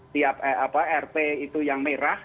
tiap rt itu yang merah